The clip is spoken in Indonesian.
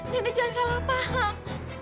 dede jangan salah paham